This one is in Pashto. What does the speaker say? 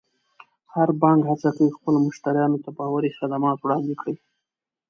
هر بانک هڅه کوي خپلو مشتریانو ته باوري خدمات وړاندې کړي.